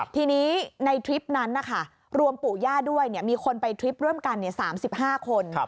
ทีนี้ในทริปนั้นนะคะรวมปู่ย่าด้วยมีคนไปทริปร่วมกัน๓๕คน